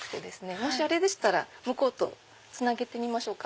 もしあれでしたら向こうとつなげてみますか？